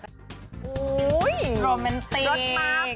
โอ้ยโรแมนติก